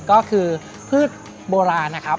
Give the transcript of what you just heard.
ก็คือพืชโบราณนะครับ